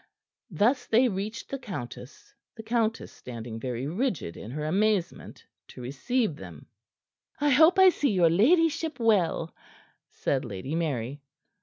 Thus they reached the countess, the countess standing very rigid in her amazement, to receive them. "I hope I see your ladyship well," said Lady Mary.